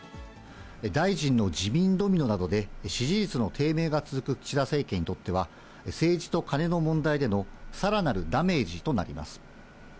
大臣の辞任ドミノなどで支持率の低迷が続く岸田政権にとっては、政治とカネの問題でのさらなるダメージとなります。